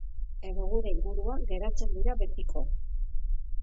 Edo gure inguruan geratzen dira betiko.